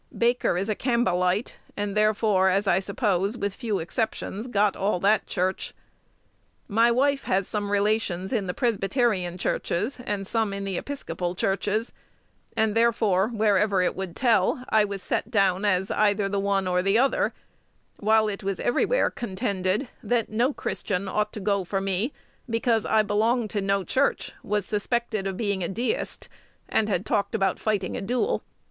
Baker is a Campbellite; and therefore, as I suppose, with few exceptions, got all that church. My wife has some relations in the Presbyterian churches, and some with the Episcopal churches; and therefore, wherever it would tell, I was set down as either the one or the other, while it was everywhere contended that no Christian ought to go for me, because I belonged to no church, was suspected of being a deist, and had talked about fighting a duel.